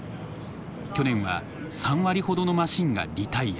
去年は３割ほどのマシンがリタイア。